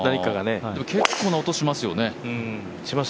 結構な音、しますよね。